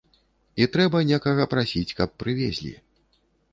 І трэба некага прасіць, каб прывезлі.